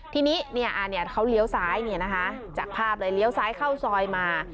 ทีนี้เขาเลี้ยวซ้ายจากภาพเลยเลี้ยวซ้ายเข้าซอยมา